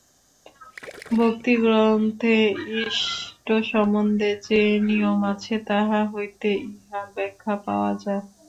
ভক্তিগ্রন্থে ইষ্টসম্বন্ধে যে-নিয়ম আছে, তাহা হইতেই ইহার ব্যাখ্যা পাওয়া যায়।